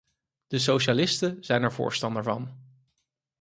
De socialisten zijn er voorstander van.